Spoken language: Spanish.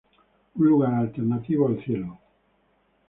Un lugar alternativo al cielo.